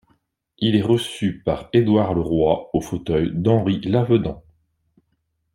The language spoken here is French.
Il est reçu le par Édouard Le Roy au fauteuil d'Henri Lavedan.